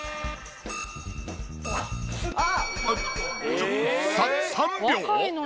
ちょっさ３秒！？